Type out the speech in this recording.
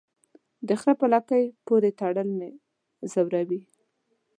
د خره په لکۍ پوري تړل مې زوروي.